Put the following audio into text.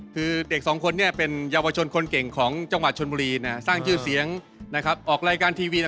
ปีเราเกิดหรือยังไง